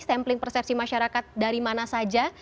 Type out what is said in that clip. sampling persepsi masyarakat dari mana saja